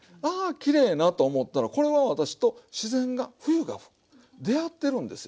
きれいなと思ったらこれは私と自然が冬が出会ってるんですよ